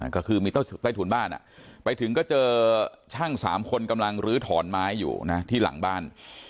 ก็คือมีใต้ถุนบ้านไปถึงก็เจอช่าง๓คนกำลังลื้อถอนไม้อยู่นะที่หลังบ้าน